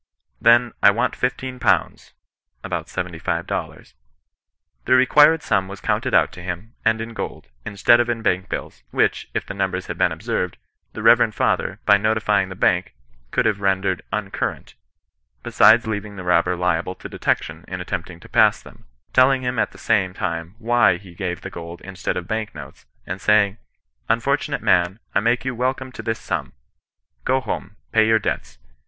' Then, I want fifteen pounds,' (about seventy five dollars.) The required sum was counted out to him, and in gold, instead of in bank bills,* which, if the numbers had been observed, the reve rend father, by notifying the bank, could have rendered uncurrent, besides leaving the robber liable to detection in attempting to pass them, telling him at the same time why he gave the gold instead of bank notes ; and saying, * Unfortunate man, I make you welcome to this sum. Go home. Pay your debts.